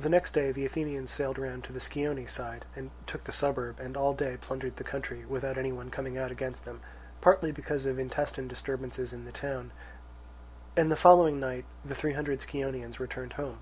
The next day the Athenians sailed round to the Scione side, and took the suburb, and all day plundered the country, without any one coming out against them, partly because of intestine disturbances in the town; and the following night the three hundred Scionaeans returned home.